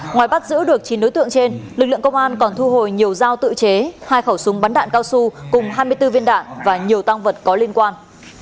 ngoài bắt giữ được chín đối tượng trên lực lượng công an còn thu hồi nhiều dao tự chế hai khẩu súng bắn đạn cao su cùng hai mươi bốn viên đạn và nhiều tăng vật có liên quan